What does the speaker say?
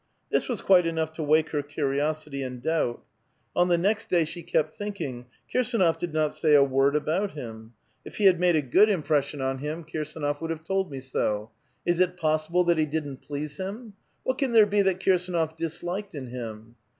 This was quite enough to wake her curiosity and doubt. On the next day she kept thinking: " Kirsdnof did not say a word about him. If he had made a good impression on 4 VITAL QUESTION. 417 him, Kirsdnof would have told me so. Is it possible that he didn't please him? What can there be that Kirsdnof disliked in him?"